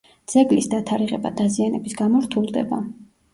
ძეგლის დათარიღება დაზიანების გამო რთულდება.